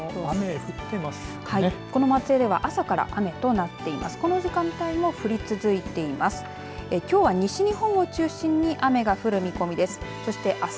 松江では朝から雨となっています。